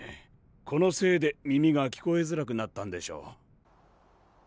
このせいで耳が聞こえづらくなったんでしょう。